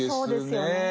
そうですよね。